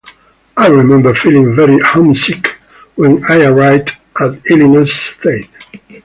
I remember feeling very homesick when I arrived at Illinois State.